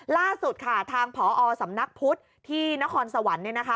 ล่าสุดค่ะทางพอสำนักพุธที่นครสวรรค์เนี่ยนะคะ